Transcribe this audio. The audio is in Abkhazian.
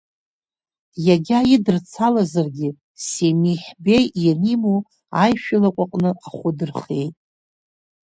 Иагьа идырцалазаргьы Семиҳ Беи ианиму аишәа лаҟәы аҟны ахәы дырхиеит.